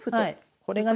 これがね